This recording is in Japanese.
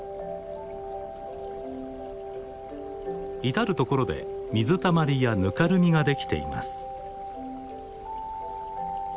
至る所で水たまりやぬかるみができています。